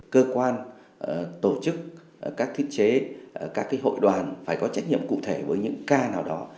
cơ quan tổ chức các thiết chế các hội đoàn phải có trách nhiệm cụ thể với những ca nào đó